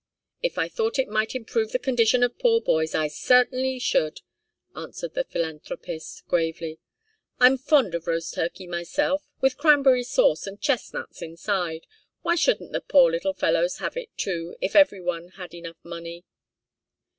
"If I thought it might improve the condition of poor boys, I certainly should," answered the philanthropist, gravely. "I'm fond of roast turkey myself with cranberry sauce and chestnuts inside. Why shouldn't the poor little fellows have it, too, if every one had enough money?"